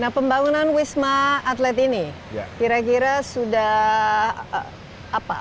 nah pembangunan wisma atlet ini kira kira sudah apa